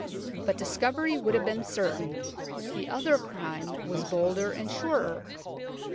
But discovery would have been certain. The other crime was bolder and surer.